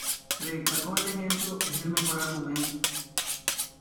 Predicar con el ejemplo, es el mejor argumento.